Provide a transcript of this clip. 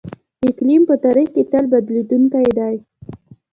اقلیم په تاریخ کې تل بدلیدونکی دی.